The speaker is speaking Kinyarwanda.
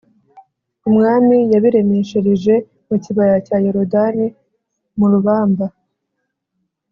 Umwami yabiremeshereje mu kibaya cya Yorodani mu rubamba